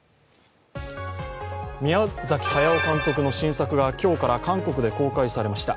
宮崎駿監督の新作が今日から韓国で公開されました。